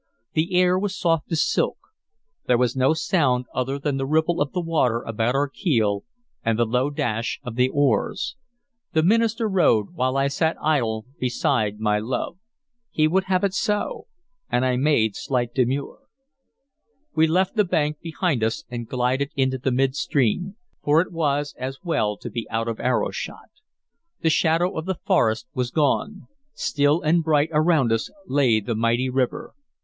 The air was soft as silk; there was no sound other than the ripple of the water about our keel and the low dash of the oars. The minister rowed, while I sat idle beside my love. He would have it so, and I made slight demur. We left the bank behind us and glided into the midstream, for it was as well to be out of arrowshot. The shadow of the forest was gone; still and bright around us lay the mighty river.